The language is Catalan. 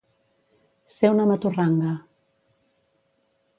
Ser una maturranga.